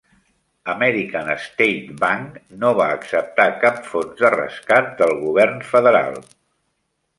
American State Bank no va acceptar cap fons de rescat del govern federal.